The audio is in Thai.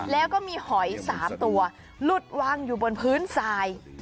แล้วก็มีหอย๓ตัวหลุดวางอยู่บนพื้นทราย